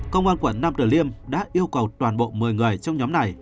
công an quận nam tử liêm đã yêu cầu toàn bộ một mươi người trong nhóm này